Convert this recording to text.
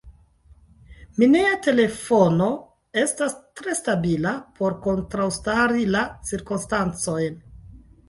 Mineja telefono: estas tre stabila por kontraŭstari la cirkonstancojn.